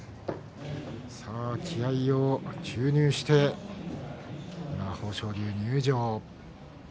さあ気合いを注入して豊昇龍、入場。